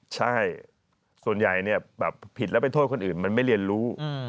ใช่ส่วนใหญ่ผิดแล้วไปโทษคนอื่นมันไม่เรียนรู้